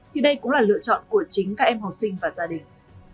thì đây cũng là lựa chọn của chính các em học sinh và gia đình